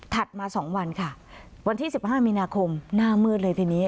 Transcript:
มา๒วันค่ะวันที่๑๕มีนาคมหน้ามืดเลยทีนี้